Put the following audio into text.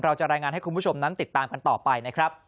เราจะรายงานให้คุณผู้ชมนั้นติดตามกันต่อไปนะครับ